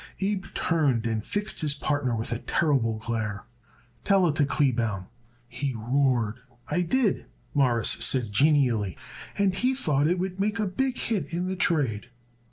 Abe turned and fixed his partner with a terrible glare. "Tell it to Kleebaum," he roared. "I did," Morris said genially, "and he thought it would make a big hit in the trade."